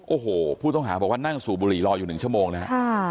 โอ้โหผู้ต้องหาบอกว่านั่งสูบบุหรี่รออยู่๑ชั่วโมงนะฮะ